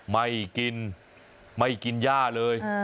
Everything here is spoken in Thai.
ไม่กินไม่กินย่าเลย